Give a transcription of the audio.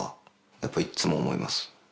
やっぱいっつも思います。